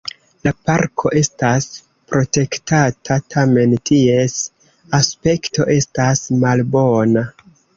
La parko estas protektata, tamen ties aspekto estas malbona.